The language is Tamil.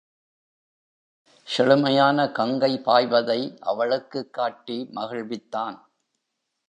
செழுமையான கங்கை பாய்வதை அவளுக்குக் காட்டி மகிழ்வித்தான்.